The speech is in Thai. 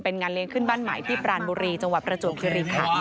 เป็นงานเลี้ยงขึ้นบ้านใหม่ที่ปรานบุรีจังหวัดประจวบคิริขัน